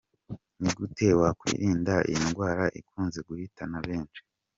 Ni gute wakwirinda iyi ndwara ikunze guhitana benshi?.